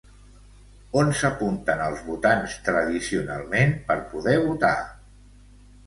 On s'apunten els votants tradicionalment per poder votar?